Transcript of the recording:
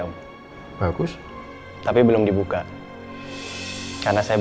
oke mbak mari